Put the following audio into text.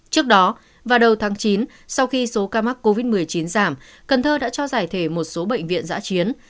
trước đó vào đầu tháng chín sau khi số ca mắc covid một mươi chín giảm cần thơ đã cho giải thể một số bệnh viện giã chiến